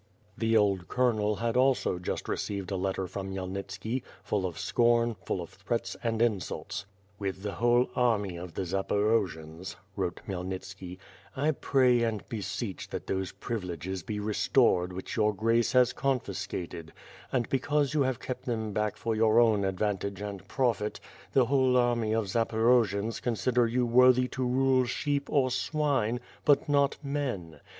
The old colonel had also just received a letter from Khmy elnitski, full of scorn, full of threats, and insults. "With the whole army of the Zaporojians," wrote Khmyelnitski, "I pray and beseech that those privileges be restored which Your Grace has confiscated; and because you have kept them back for your own advantage and profit, the whole army of Zaporo jians consider you worthy to rule sheep or swine, but not men.